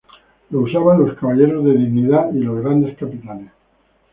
Lo usaban los Caballeros de dignidad y los grandes capitanes.